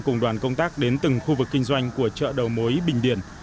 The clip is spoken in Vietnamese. cùng đoàn công tác đến từng khu vực kinh doanh của chợ đầu mối bình điền